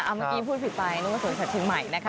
เมื่อกี้พูดผิดไปนึกว่าสวนสัตว์เชียงใหม่นะคะ